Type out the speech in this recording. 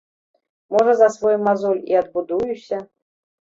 Можа, за свой мазоль і адбудуюся.